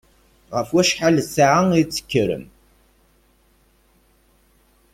Ɣef wacḥal ssaɛa i d-tekkrem?